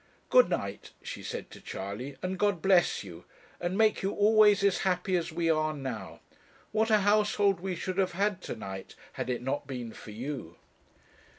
'Good night,' she said to Charley; 'and God bless you, and make you always as happy as we are now. What a household we should have had to night, had it not been for you!'